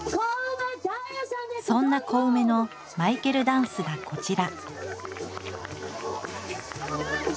そんなコウメのマイケルダンスがこちら。